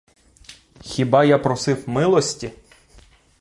Хіба я просив милості?